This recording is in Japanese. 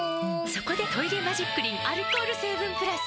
そこで「トイレマジックリン」アルコール成分プラス！